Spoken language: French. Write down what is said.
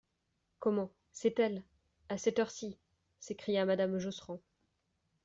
Comment, c'est elle ! à cette heure-ci ! s'écria madame Josserand.